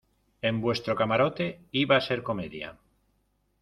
en vuestro camarote. iba a ser comedia